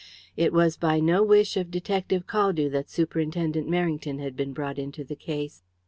It was by no wish of Detective Caldew that Superintendent Merrington had been brought into the case.